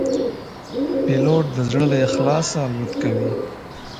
پیلوټ د زړه له اخلاصه الوت کوي.